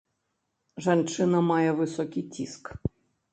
Жанчына мае высокі ціск.